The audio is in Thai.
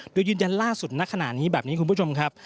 โดยยืนยันล่าสุดณขณะนี้แบบนี้คุณผู้ชมครับ